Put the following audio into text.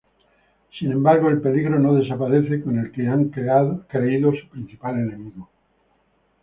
Sin embargo, el peligro no desaparece con el que han creído su principal enemigo.